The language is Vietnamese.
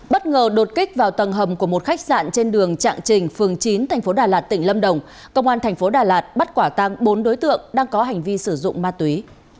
bất ngờ đột kích vào tầng hầm của một khách sạn trên đường trạng trình phường chín tp đà lạt tỉnh lâm đồng công an thành phố đà lạt bắt quả tăng bốn đối tượng đang có hành vi sử dụng ma túy